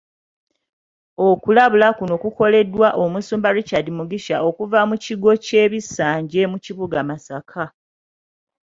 Okulabula kuno kukoleddwa Omusumba Richard Mugisha okuva mu kigo ky’e Bisanje mu kibuga Masaka .